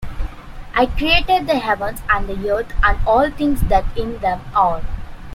I created the heavens and the earth, and all things that in them are.